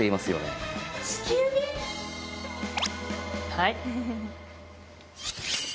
はい。